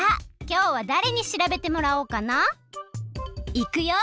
いくよ！